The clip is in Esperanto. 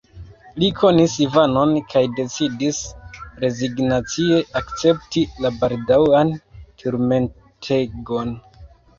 Li konis Ivanon kaj decidis rezignacie akcepti la baldaŭan turmentegon.